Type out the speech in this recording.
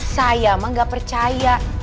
saya mah gak percaya